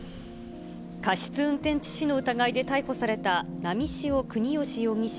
過失運転致死の疑いで逮捕された波汐國芳容疑者